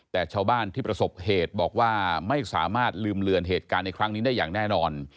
แต่ชาวบ้านที่ประสบเหตุบอกว่าไม่สามารถลืมเลือนเหตุการณ์ในครั้งนี้ได้อย่างแน่นอน